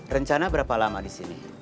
rencana berapa lama di sini